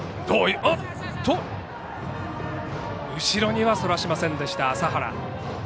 後ろにはそらしませんでした麻原。